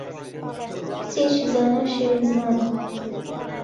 کچێکی زانا و شیرین زمانە